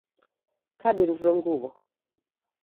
Kadu niro ng uw'o.